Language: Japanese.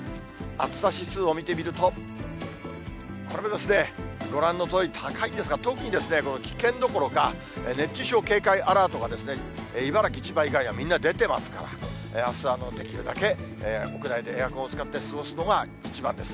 暑さ指数を見てみると、これもご覧のとおり高いんですが、特にこの危険どころか、熱中症警戒アラートが、茨城、千葉以外はみんな出てますから、あすはできるだけ屋内でエアコンを使って過ごすのが一番です。